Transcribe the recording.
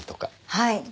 はい。